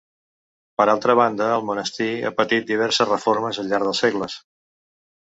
Per altra banda, el monestir ha patit diverses reformes al llarg dels segles.